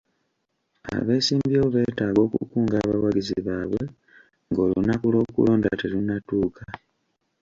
Abeesimbyewo beetaaga okukunga abawagizi baabwe ng'olunaku lw'okulonda terunnatuuka.